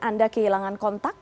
anda kehilangan kontak